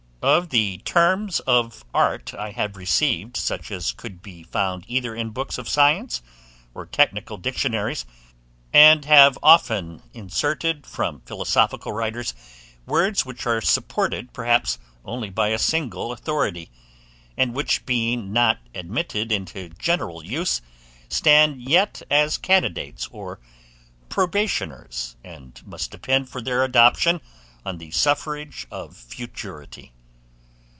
Of the terms of art I have received such as could be found either in books of science or technical dictionaries; and have often inserted, from philosophical writers, words which are supported perhaps only by a single authority, and which being not admitted into general use, stand yet as candidates or probationers, and must depend for their adoption on the suffrage of futurity.